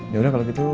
ya udah kalau gitu